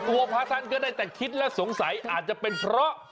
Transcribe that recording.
พระท่านก็ได้แต่คิดและสงสัยอาจจะเป็นเพราะ